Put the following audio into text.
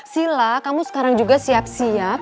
sila kamu sekarang juga siap siap